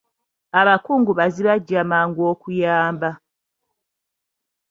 Abakungubazi bajja mangu okuyamba.